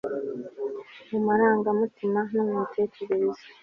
mu marangamutima no mitekerereze